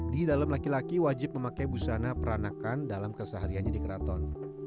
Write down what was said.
di dalam laki laki wajib memakai busana peranakan dalam kesehariannya di keraton